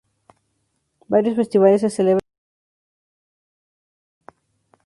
Varios festivales se celebran durante todo el año.